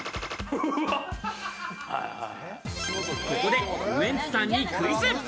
ここでウエンツさんにクイズ！